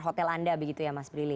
hotel anda begitu ya mas prilly